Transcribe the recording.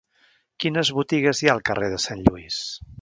Quines botigues hi ha al carrer de Sant Lluís?